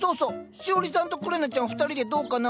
しおりさんとくれなちゃん２人でどうかな？なんて思ってさ